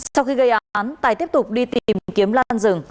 sau khi gây án tài tiếp tục đi tìm kiếm lan rừng